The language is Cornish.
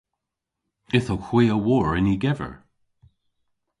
Ytho hwi a wor yn y gever.